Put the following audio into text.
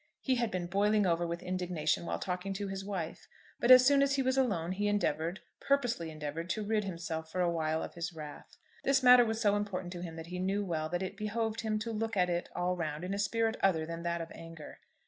He had been boiling over with indignation while talking to his wife. But as soon as he was alone he endeavoured, purposely endeavoured to rid himself for a while of his wrath. This matter was so important to him that he knew well that it behoved him to look at it all round in a spirit other than that of anger.